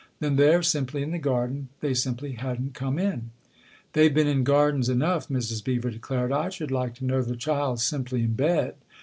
Then they're simply in the garden they simply hadn't come in." " They've been in gardens enough !" Mrs. Beever declared. " I should like to know the child's simply in bed."